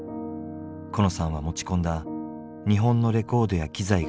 コノさんは持ち込んだ日本のレコードや機材が摘発。